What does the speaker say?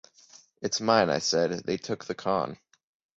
‘It's mine,’ I said. ‘They took the con.’